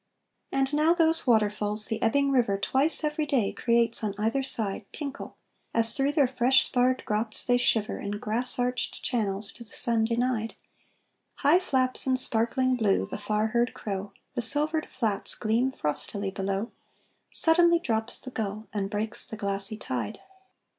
And now those waterfalls the ebbing river Twice every day creates on either side Tinkle, as through their fresh sparred grots they shiver In grass arched channels to the sun denied; High flaps in sparkling blue the far heard crow, The silvered flats gleam frostily below, Suddenly drops the gull and breaks the glassy tide.